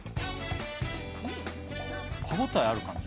歯応えある感じ？